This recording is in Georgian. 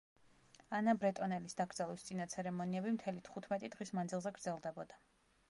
ანა ბრეტონელის დაკრძალვის წინა ცერემონიები მთელი თხუთმეტი დღის მანძილზე გრძელდებოდა.